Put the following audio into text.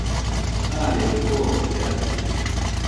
arebe oogobe atɨ